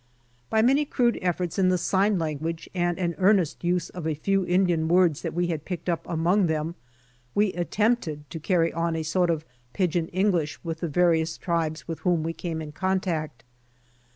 By many crude efforts in the sign language and an earnest use of a few Indian words that we had picked up among them, we attempted to carry on a sort of "Pigeon English" with the various tribes with whom we came in contact.